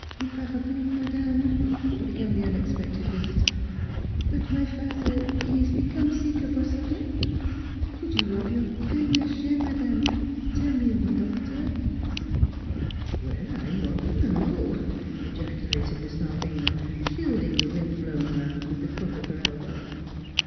" You pardon, madame" began the unexpected visitor, " but my fat'er he ees become sick, of a sudden. Could you of your kin'ness, chere madame tell me of a docteur? "" Well, I want t' know !" ejaculated Miss Mal vina, shielding the wind blown lamp with the crook of her elbow.